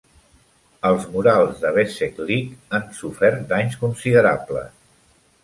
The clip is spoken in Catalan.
Els murals de Bezeklik han sofert danys considerables.